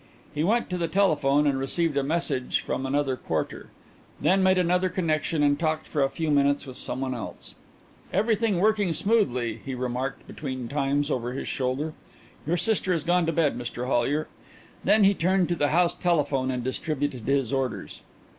He went to the telephone and received a message from one quarter; then made another connection and talked for a few minutes with someone else. "Everything working smoothly," he remarked between times over his shoulder. "Your sister has gone to bed, Mr Hollyer." Then he turned to the house telephone and distributed his orders.